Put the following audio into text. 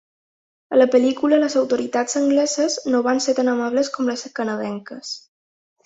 A la pel·lícula les autoritats angleses no van ser tan amables com les canadenques.